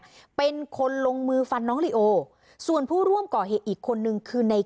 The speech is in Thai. มอบตัวเนี่ยเป็นคนลงมือฟันน้องส่วนผู้ร่วมก่อเหตุอีกคนนึงคือใน